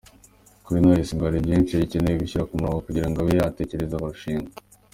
Kuri Knowless ngo hari byinshi agikeneye gushyira ku murongo kugira ngo abe yatekereza kurushinga.